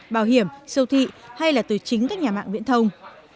bảo hiểm siêu thị hay là từ chính các nhà mạng viễn thông